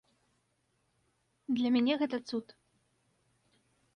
Для мяне гэта цуд.